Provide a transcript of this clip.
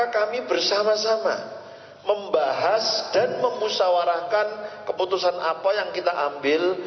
kami bersama sama membahas dan memusawarahkan keputusan apa yang kita ambil